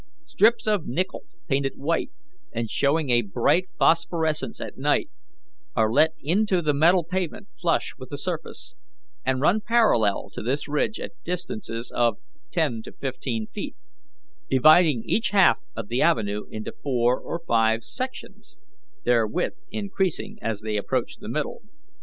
Strips of nickel painted white, and showing a bright phosphorescence at night, are let into the metal pavement flush with the surface, and run parallel to this ridge at distances of ten to fifteen feet, dividing each half of the avenue into four or five sections, their width increasing as they approach the middle.